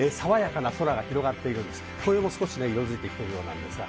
紅葉も色づいてきているようです。